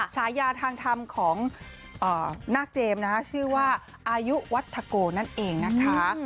ฉายาทางธรรมของนาคเจมส์นะคะชื่อว่าอายุวัฒโกนั่นเองนะคะ